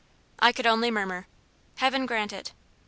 I could only murmur "Heaven grant it!"